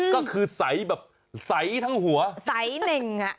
ก็คือใสแบบใสทั้งหัวใสเน่งอ่ะ